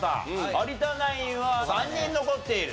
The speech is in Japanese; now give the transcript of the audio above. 有田ナインは３人残っている。